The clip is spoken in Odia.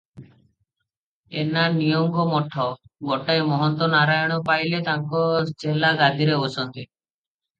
ଏଟା ନିଅଙ୍ଗ ମଠ, ଗୋଟାଏ ମହନ୍ତ ନାରାୟଣ ପାଇଲେ ତାଙ୍କ ଚେଲା ଗାଦିରେ ବସନ୍ତି ।